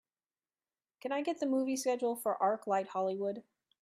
Can I get the movie schedule for ArcLight Hollywood